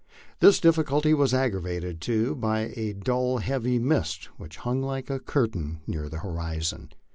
This difficulty was aggravated, too, by a dull heavy mist, which hung like a curtain near the horizon.